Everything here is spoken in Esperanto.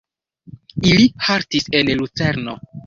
Ili haltis en Lucerno.